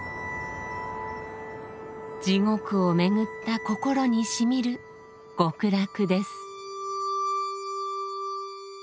地獄をめぐった心にしみる極楽です。